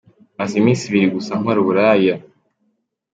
Maze iminsi ibiri gusa nkora uburaya